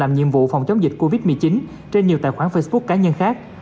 làm nhiệm vụ phòng chống dịch covid một mươi chín trên nhiều tài khoản facebook cá nhân khác